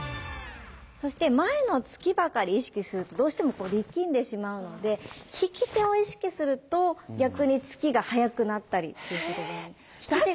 そして前の突きばかり意識するとどうしても力んでしまうので引き手を意識すると逆に突きが速くなったりっていうことがある。